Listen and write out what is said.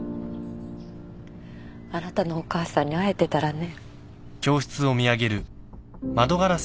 あなたのお母さんに会えてたらね。